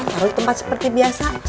taruh tempat seperti biasa